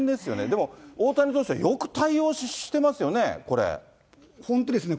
でも、大谷投手はよく対応してま本当ですね。